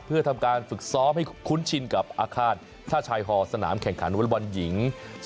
เพื่อทำการฝึกซ้อมให้คุ้นชินกับอาคารท่าชายฮอลสนามแข่งขันวอเล็กบอลหญิง